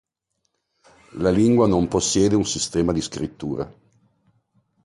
La lingua non possiede un sistema di scrittura.